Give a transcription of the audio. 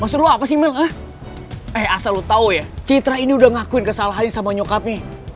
maksud lu apa sih mel eh asal lu tau ya citra ini udah ngakuin kesalahannya sama nyokapnya